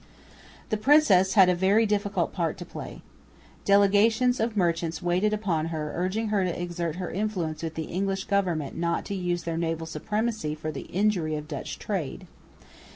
The princess had a very difficult part to play. Delegations of merchants waited upon her urging her to exert her influence with the English government not to use their naval supremacy for the injury of Dutch trade.